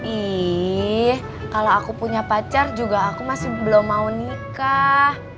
ih kalau aku punya pacar juga aku masih belum mau nikah